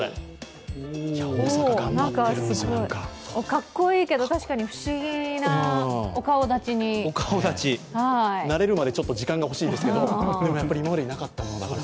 かっこいいけど、確かに不思議なお顔立ちに慣れるまでちょっと時間がほしいですけどでも、やっぱり今までになかったものですから。